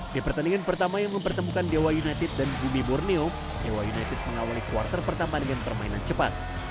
di pertandingan pertama yang mempertemukan dewa united dan bumi borneo dewa united mengawali kuartal pertama dengan permainan cepat